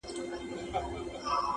د عادل پاچا په نوم یې وو بللی-